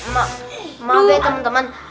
mak maaf ya teman teman